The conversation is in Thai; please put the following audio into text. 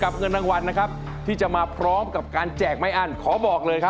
สวัสดีครับ